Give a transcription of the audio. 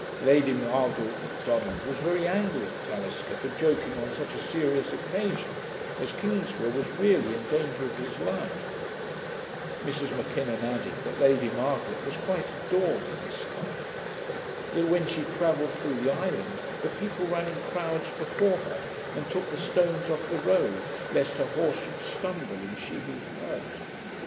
Lady Margaret M'Donald was very angry at Talisker for joking on such a serious occasion, as Kingsburgh was really in danger of his life. Mrs M'Kinnon added that Lady Margaret was quite adored in Sky. That when she travelled through the island, the people ran in crowds before her, and took the stones off the road, lest her horse should stumble and she be hurt.